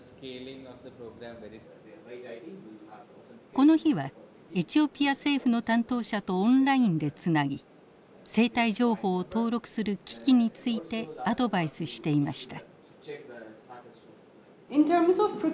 この日はエチオピア政府の担当者とオンラインでつなぎ生体情報を登録する機器についてアドバイスしていました。